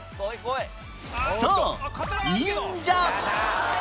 そう忍者